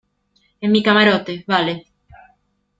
en mi camarote. vale .